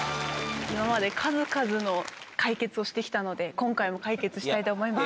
今まで数々の解決をしてきたので、今回も解決したいと思います。